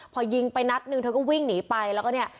พอยิงไปนัดหนึ่งเธอก็วิ่งหนีไปแล้วก็เนี่ย